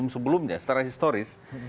sebelumnya secara historis